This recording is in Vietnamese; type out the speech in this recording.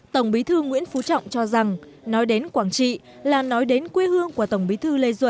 tổng bí thư nguyễn phú trọng cho rằng nói đến quảng trị là nói đến quê hương của tổng bí thư lê duẩ